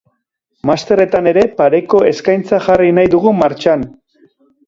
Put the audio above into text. Masterretan ere pareko eskaintza jarri nahi dugu martxan.